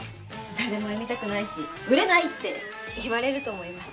誰も読みたくないし売れないって言われると思います。